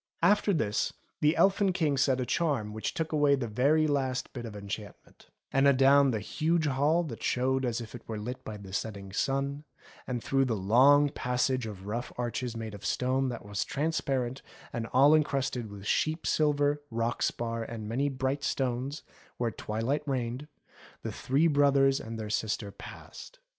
288 ENGLISH FAIRY TALES After this the Elfin King said a charm which took away the very last bit of enchantment, and adown the huge hall that showed as if it were lit by the setting sun, and through the long passage of rough arches made of rock that was transparent and all encrusted with sheep silver, rock spar, and many bright stones, where twilight reigned, the three brothers and their sister passed.